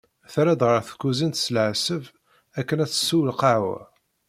Terra-d ɣer tkuzint s leɣseb akken ad tessu lqahwa.